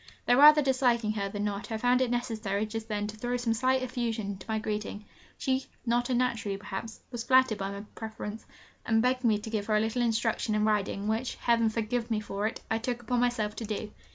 Though rather disliking her than not, I found it necessary just then to throw some slight effusion into my greeting. She, not unnaturally perhaps, was flattered by my preference, and begged me to give her a little instruction in riding, which Heaven forgive me for it! I took upon myself to do.